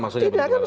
maksudnya pak taufik